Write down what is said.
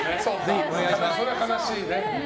それは悲しいね。